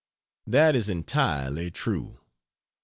That is entirely true.